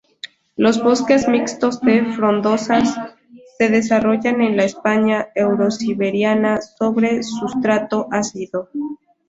Los bosques mixtos de frondosas se desarrollan en la España eurosiberiana sobre sustrato ácido.